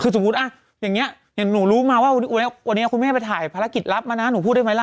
คือสมมุติอย่างนี้เห็นหนูรู้มาว่าวันนี้คุณแม่ไปถ่ายภารกิจรับมานะหนูพูดได้ไหมล่ะ